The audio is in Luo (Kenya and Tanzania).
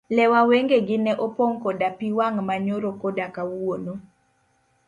Lewa wengegi ne opong' koda pii wang' ma nyoro koda kawuono.